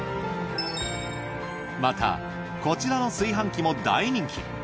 またこちらの炊飯器も大人気。